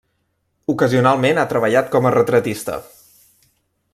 Ocasionalment ha treballat com a retratista.